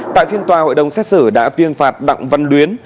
tại phiên tòa hội đồng xét xử đã tuyên phạt đặng văn luyến